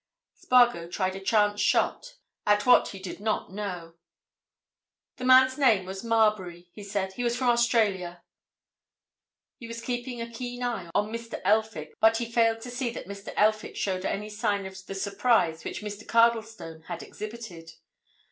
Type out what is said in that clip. Spargo tried a chance shot—at what he did not know. "The man's name was Marbury," he said. "He was from Australia." He was keeping a keen eye on Mr. Elphick, but he failed to see that Mr. Elphick showed any of the surprise which Mr. Cardlestone had exhibited.